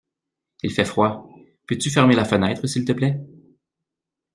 Il fait froid, peux-tu fermer la fenêtre s'il te plaît?